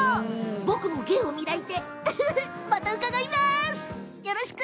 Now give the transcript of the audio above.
僕も芸を磨いてまだ伺います！